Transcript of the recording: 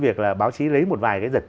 việc là báo chí lấy một vài cái giật